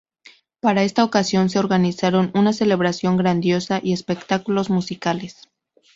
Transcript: Para esta ocasión, se organizaron una celebración grandiosa y espectáculos musicales.